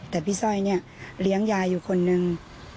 แต่พี่สร้อยเนี่ยเลี้ยงยายอยู่คนนึง